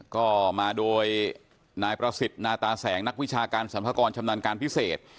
ก็มาโดยนายประสิทธิ์นาตาแสงนักวิชาการสรรพากรชำนาญการพิเศษ